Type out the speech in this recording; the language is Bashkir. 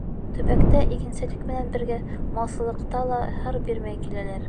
Төбәктә игенселек менән бергә малсылыҡта ла һыр бирмәй киләләр.